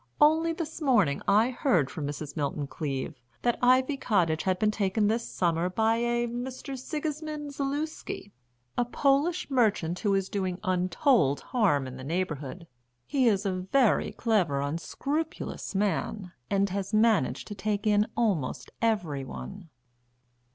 Only this morning I heard from Mrs. Milton Cleave that Ivy Cottage has been taken this summer by a Mr. Sigismund Zaluski, a Polish merchant, who is doing untold harm in the neighbourhood. He is a very clever, unscrupulous man, and has managed to take in almost every one."